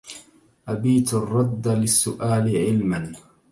أبيت الرد للسؤال علما